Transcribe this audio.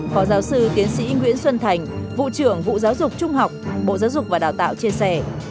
phó giáo sư tiến sĩ nguyễn xuân thành vụ trưởng vụ giáo dục trung học bộ giáo dục và đào tạo chia sẻ